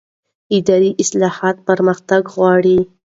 اداري اصلاح پرمختګ غواړي